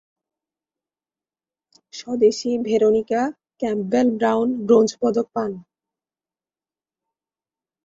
স্বদেশী Veronica Campbell-Brown ব্রোঞ্জপদক পান।